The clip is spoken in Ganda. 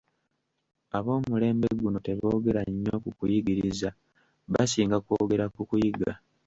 Ab'omulembe guno teboogera nnyo ku kuyigiriza, basinga kwogera ku kuyiga.